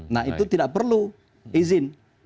nah itu tidak perlu izin